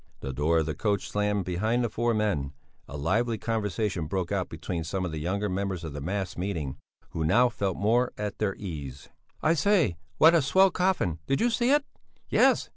The door of the coach slammed behind the four men; a lively conversation broke out between some of the younger members of the mass meeting, who now felt more at their ease. "I say, what a swell coffin! Did you see it?" "Yes!